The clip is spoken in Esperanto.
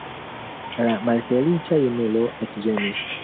La malfeliĉa junulo ekĝemis.